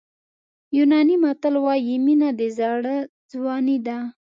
یوناني متل وایي مینه د زړه ځواني ده.